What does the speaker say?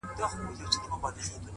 ټگان تللي وه د وخته پر آسونو٫